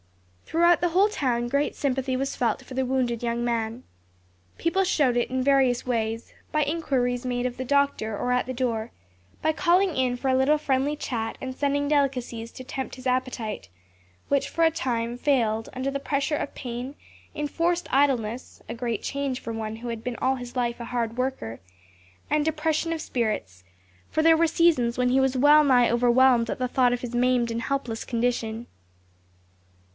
'" Throughout the whole town great sympathy was felt for the wounded young man. People showed it in various ways; by inquiries made of the doctor or at the door, by calling in for a little friendly chat and sending delicacies to tempt his appetite; which for a time failed under the pressure of pain, enforced idleness (a great change for one who had been all his life a hard worker) and depression of spirits; for there were seasons when he was well nigh overwhelmed at the thought of his maimed and helpless condition.